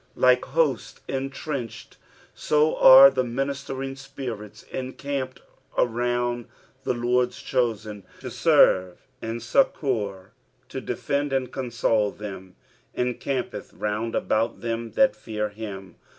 Like hosts entrenched bo are the ministering spirits encamped around the Lord's chosen, to serve and succour, to defend and console them. ^' En eampeth round about them that fear him."